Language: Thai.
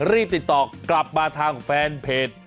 รีบติดต่อกลับมาทางแฟนเพจ